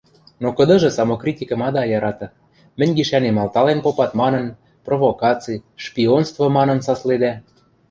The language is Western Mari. Но кыдыжы самокритикӹм ада яраты, мӹнь гишӓнем алтален попат манын, провокаци, шпионство манын саследӓ.